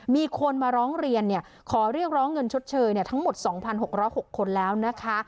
มีคนมาร้องเรียนขอเรียกร้องเงินชดเชยทั้งหมด๒๖๐๖คนแล้วนะคะ